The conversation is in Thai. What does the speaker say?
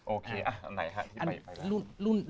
โอเคอันไหนครับที่ไป